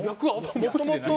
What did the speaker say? もともと。